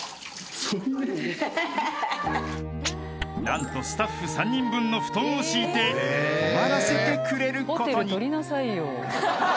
［何とスタッフ３人分の布団を敷いて泊まらせてくれることに］